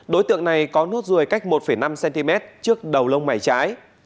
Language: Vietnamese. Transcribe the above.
đối tượng này có nốt ruồi cách một năm cm trước đầu lông mày trái